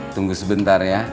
tunggu sebentar ya